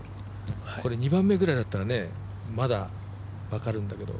２番目ぐらいだったらまた分かるんだけど。